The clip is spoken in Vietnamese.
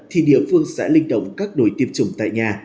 thì địa phương sẽ linh động các đổi tiêm chủng tại nhà